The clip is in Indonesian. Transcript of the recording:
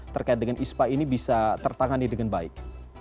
terkait dengan ispa ini bisa tertangani dengan baik